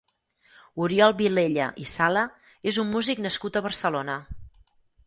Oriol Vilella i Sala és un music nascut a Barcelona.